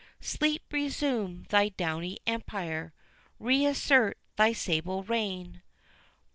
Sleep, resume thy downy empire; reassert thy sable reign!